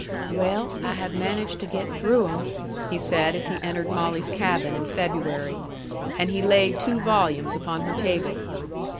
"Well, I have managed to get through 'em," he said, as he entered Molly's cabin in February. And he laid two volumes upon her table.